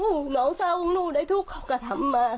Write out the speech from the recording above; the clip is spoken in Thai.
หูหลองเซาหรูหนูได้ทุกข้อกระทำมาค่ะ